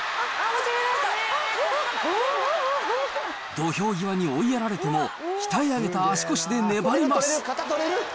土俵際に追いやられても、鍛え上げた足腰で粘ります。